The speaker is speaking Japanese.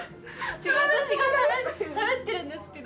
私がしゃべってるんですけど。